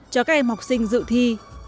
cho các em học sinh dự thi